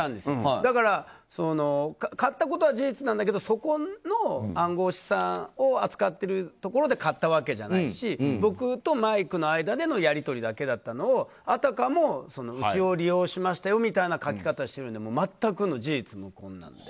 だから、買ったことは事実だけどそこの暗号資産を扱っているところで買ったわけじゃないし僕とマイクの間でのやり取りだけだったのをあたかもうちを利用しましたよみたいな書き方で全くの事実無根なので。